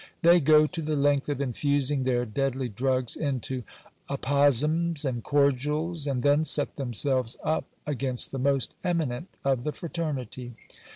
They go to the length of infusing their deadly drugs into apozems and cordials, and then set themselves up against the most eminent of the fraternity.